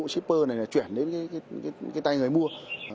shipper này là chuyển đến cái tay người mua